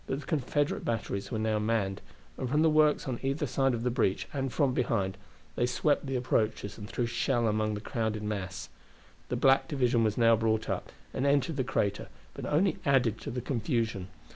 But the Confederate batteries were now manned, and from the works on either side of the breach, and from behind, they swept the approaches, and threw shell among the crowded mass. The black division was now brought up, and entered the crater, but only added to the confusion.